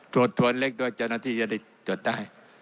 ตรวจทวนเล็กด้วยเจ้าหน้าที่จะได้ตรวจได้